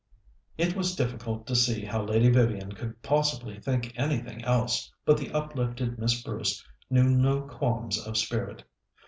It was difficult to see how Lady Vivian could possibly think anything else, but the uplifted Miss Bruce knew no qualms of spirit.